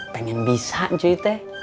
pengen bisa cuy teh